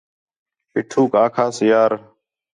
پیٹھوک آکھاس یار